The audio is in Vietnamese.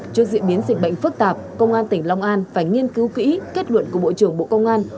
trước diễn biến dịch bệnh phức tạp công an tỉnh long an phải nghiên cứu kỹ kết luận của bộ trưởng bộ công an